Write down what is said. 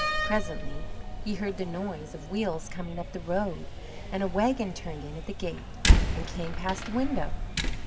Presently he heard the noise of wheels coming up the road, and a wagon turned in at the gate and came past the window.